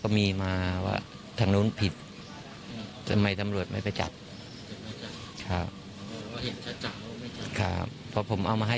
ก็มีมาว่าทางนู้นผิดทำไมทำรวจไม่ไปจับค่ะผมเอามาให้